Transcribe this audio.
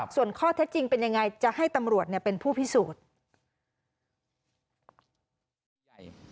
ส่วนข้อเท็จจริงเป็นยังไงจะให้ตำรวจเป็นผู้พิสูจน์